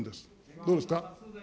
どうですか。